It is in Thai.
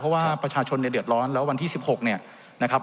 เพราะว่าประชาชนเนี่ยเดือดร้อนแล้ววันที่๑๖เนี่ยนะครับ